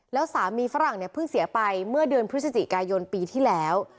แล้วสามีฝรั่งเนี่ยเพิ่งเสียไปเมื่อเดือนพฤศจิกายนปีที่แล้ว